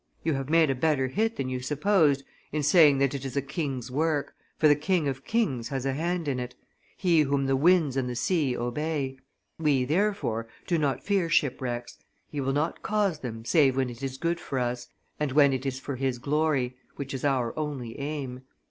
You have made a better hit than you supposed in saying that it is a king's work, for the King of kings has a hand in it, He whom the winds and the sea obey. We, therefore, do not fear shipwrecks; He will not cause them save when it is good for us, and when it is for His glory, which is our only aim.